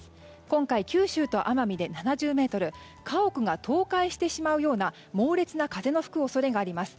今回、九州と奄美で７０メートル家屋が倒壊してしまうような猛烈な風が吹く恐れがあります。